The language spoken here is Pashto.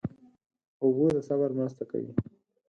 اوبه د صبر مرسته کوي.